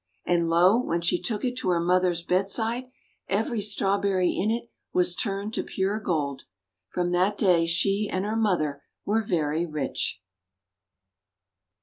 And, lo, when she took it to her mother's bedside, every Strawberry in it was turned to pure gold! From that day she and her mother were very rich.